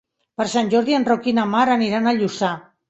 Per Sant Jordi en Roc i na Mar aniran a Lluçà.